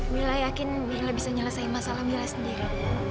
mila yakin mila bisa nyelesai masalah mila sendiri